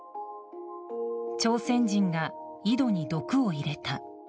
朝鮮人が井戸に毒を入れた。